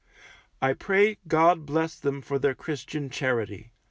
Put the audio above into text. I pray God bless them for their Christian charity.